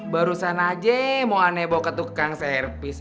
barusan aja mau aneh bawa ke tukang servis